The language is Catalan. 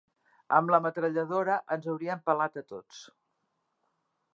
Amb la metralladora ens haurien pelat a tots.